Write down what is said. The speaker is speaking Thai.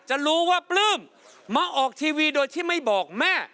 จะรู้ว่าปลื้มมาออกทีวีโดยที่ไม่บอกแม่